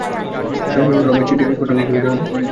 রমেশ চিঠিপত্র লিখিবার জন্য তাহার কামরায় চলিয়া গেল।